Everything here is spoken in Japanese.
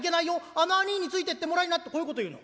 あの兄ぃについてってもらいな』とこういうこと言うの。